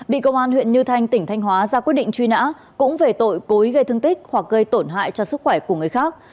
bị công an huyện như thanh tỉnh thanh hóa ra quyết định truy nã cũng về tội cối gây thương tích hoặc gây tổn hại cho sức khỏe của người khác